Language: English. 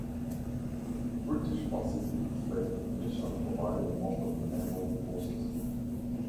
The British Pacific Fleet initially provided most of the naval forces.